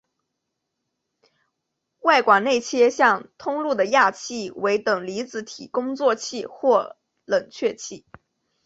外管内切向通入的氩气为等离子体工作气或冷却气。